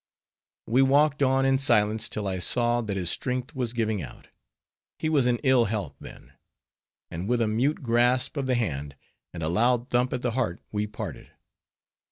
We walked on in silence till I saw that his strength was giving out,—he was in ill health then,—and with a mute grasp of the hand, and a loud thump at the heart, we parted.